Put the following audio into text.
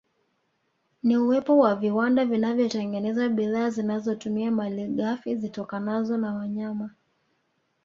Ni uwepo wa viwanda vinavyotengeneza bidhaa zinazotumia malighafi zitokanazo na wayama